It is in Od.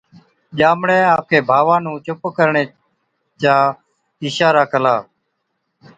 ڄامڙي آپڪي ڀاوا نُون چُپ ڪرڻي چڪا اِشارا ڪلا،